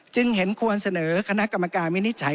จึงเห็นควรเสนอคณะกรรมการวินิจฉัย